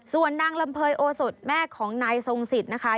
ส่วนนางลำเภยโอสดแม่ของนายทรงสิทธิ์นะคะ